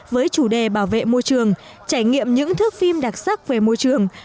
với chủ đề bảo vệ môi trường trải nghiệm những thước phim đặc sắc về môi trường